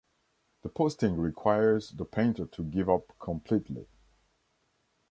The posting requires the painter to give up completely.